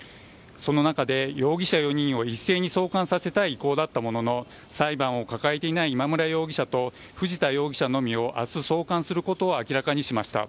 その中で、容疑者４人を一斉に送還させたい意向だったものの裁判を抱えていない今村容疑者と藤田容疑者のみを明日送還することを明らかにしました。